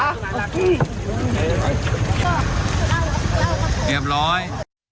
เรียบร้อย